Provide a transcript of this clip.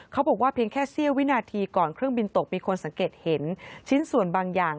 เขาบอกว่าเพียงแค่เสี้ยววินาทีก่อนเครื่องบินตกมีคนสังเกตเห็นชิ้นส่วนบางอย่าง